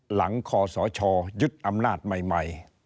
คอสชยึดอำนาจใหม่